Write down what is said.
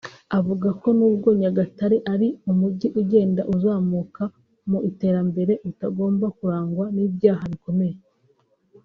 Avuga ko nubwo Nyagatare ari umujyi ugenda uzamuka mu iterambere utagomba kurangwa n’ibyaha bikomeye